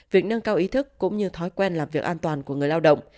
việc nâng cao ý thức cũng như thói quen làm việc an toàn của người lao động